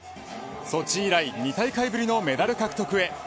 ソチ以来２大会ぶりのメダル獲得へ。